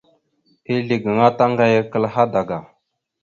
Ezle gaŋa taŋgayakal hadaga.